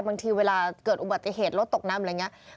บางทีเวลาเกิดอุบัติเหตุรถตกน้ำอะไรอย่างนี้